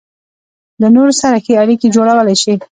له نورو سره ښې اړيکې جوړولای شي.